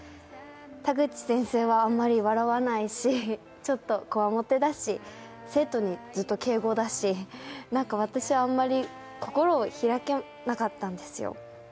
田口先生は、あまり笑わないしちょっとこわもてだし生徒にずっと敬語だし、私はあんまり心を開けなかったんですよ。